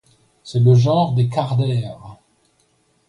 C'est le genre des cardères.